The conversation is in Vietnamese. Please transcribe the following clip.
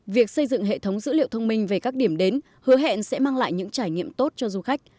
việc xây dựng hệ thống dữ liệu thông minh về các điểm đến hứa hẹn sẽ mang lại những trải nghiệm tốt cho du khách